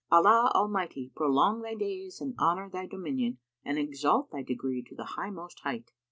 Allah Almighty prolong thy days and honour thy dominion and exalt thy degree to the highmost height!"